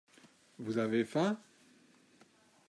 Vous avez faim ?